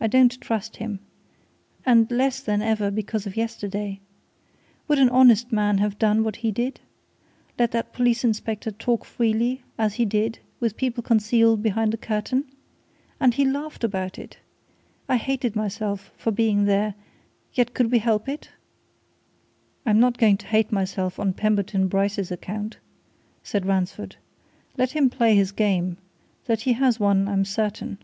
"I don't trust him. And less than ever because of yesterday. Would an honest man have done what he did? Let that police inspector talk freely, as he did, with people concealed behind a curtain? And he laughed about it! I hated myself for being there yet could we help it?" "I'm not going to hate myself on Pemberton Bryce's account," said Ransford. "Let him play his game that he has one, I'm certain."